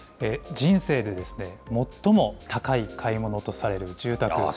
人生で最も高い買い物とされる住宅。